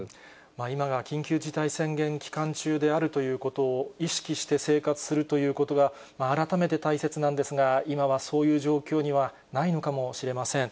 今が緊急事態宣言期間中であるということを意識して生活するということが、改めて大切なんですが、今はそういう状況にはないのかもしれません。